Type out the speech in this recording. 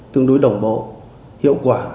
tương đối đồng bộ hiệu quả